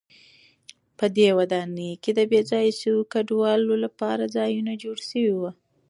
په دې ودانۍ کې د بې ځایه شویو کډوالو لپاره ځایونه جوړ شوي و.